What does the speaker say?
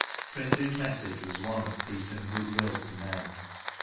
*' Prince's message was one of " Peace and goodwill " to men.